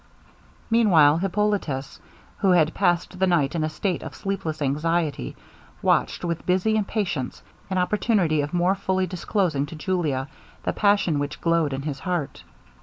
Meanwhile Hippolitus, who had passed the night in a state of sleepless anxiety, watched, with busy impatience, an opportunity of more fully disclosing to Julia the passion which glowed in his heart.